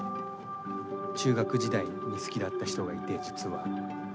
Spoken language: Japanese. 中学時代に好きだった人がいて実は。